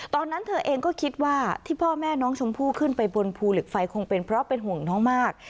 ตอนนั้นเธอเองก็คิดว่าที่พ่อแม่น้องชมพู่ขึ้นไปบนภูเหล็กไฟคงเป็นเพราะเป็นห่วงน้องมาก